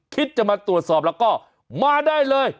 คิดจะมาตรวจสอบแล้วก็มาได้เลย